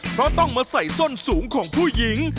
เพราะต้องมาใส่ส้นสูงของผู้หญิง